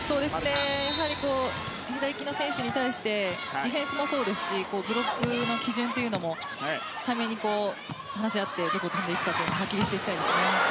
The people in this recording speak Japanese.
やはり左利きの選手に対しディフェンスもそうですしブロックの基準も早めに話し合ってどこに跳んでいくか完全に止めていきたいですね。